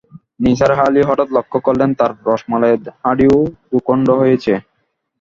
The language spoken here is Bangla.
নিসার আলি হঠাৎ লক্ষ করলেন, তাঁর রসমালাইয়ের হাঁড়ি দুখণ্ড হয়েছে।